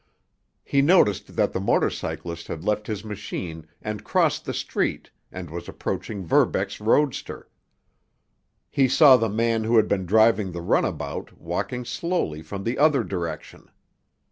He noticed that the motor cyclist had left his machine and crossed the street and was approaching Verbeck's roadster. He saw the man who had been driving the runabout walking slowly from the other direction.